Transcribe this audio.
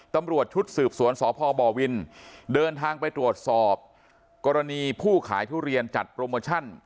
ตำรวจชุดสืบสวนสพบวินเดินทางไปตรวจสอบกรณีผู้ขายทุเรียนจัดโปรโมชั่น